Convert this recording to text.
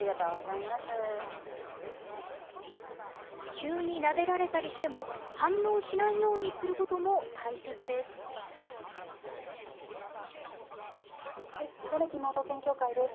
急になでられたりしても反応しないようにすることも大切です。